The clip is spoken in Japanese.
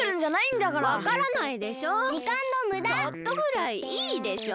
ちょっとぐらいいいでしょ！